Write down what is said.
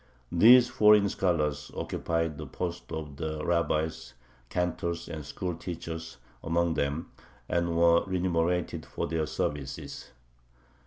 These foreign scholars occupied the posts of rabbis, cantors, and school teachers among them, and were remunerated for their services.